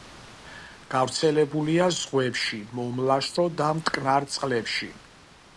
გავრცელებულია ზღვებში, მომლაშო და მტკნარ წყლებში.